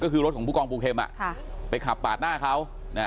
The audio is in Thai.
ก็คือรถของผู้กองปูเข็มไปขับปาดหน้าเขา